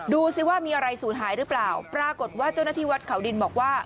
ดูสิว่ามีอะไรสูญหายหรือเปล่าปรากฏว่าเจ้าหน้าที่วัดเขาดินบอกว่า